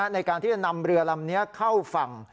ในการที่จะนำเรือลำนี้เข้าฝั่ง